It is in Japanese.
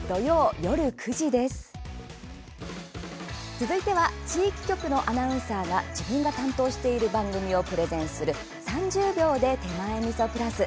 続いては地域局のアナウンサーが自分が担当している番組をプレゼンする「３０秒で手前みそプラス」。